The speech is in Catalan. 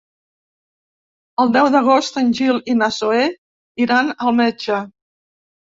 El deu d'agost en Gil i na Zoè iran al metge.